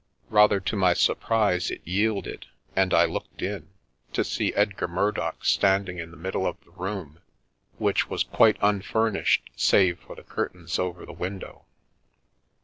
Rather to my surprise, it yielded, _~o Secrecy Farm and I looked in — to see Edgar Murdock standing in the middle of the room, which was quite unfurnished, save for the curtains over the window.